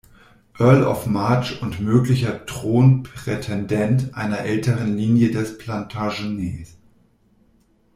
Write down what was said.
Earl of March und möglicher Thronprätendent einer älteren Linie der Plantagenets.